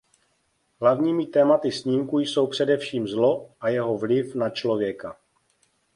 Hlavními tématy snímku jsou především zlo a jeho vliv na člověka.